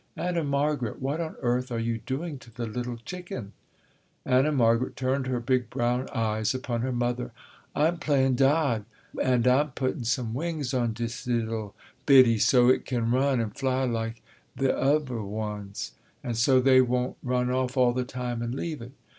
"Anna Margaret, what on earth are you doing to the little chicken?" Anna Margaret turned her big brown eyes upon her mother. "I'm playin' Dod and I'm puttin' some wings on des l'll biddie so it can run and fly like the oo ver ones, and so they won't run off all the time and leave it."